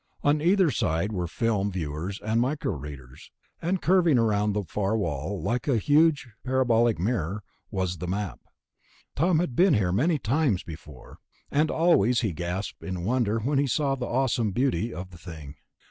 On either side were film viewers and micro readers. And curving around on the far wall, like a huge parabolic mirror, was the Map. Tom had been here many times before, and always he gasped in wonder when he saw the awesome beauty of the thing.